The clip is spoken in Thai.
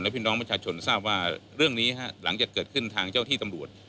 พี่น้องประชาชนทราบว่าเรื่องนี้หลังจากเกิดขึ้นทางเจ้าที่ตำรวจ